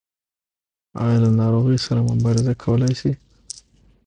ایا له ناروغۍ سره مبارزه کولی شئ؟